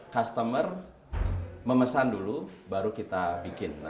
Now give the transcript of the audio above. customer memesan dulu baru kita bikin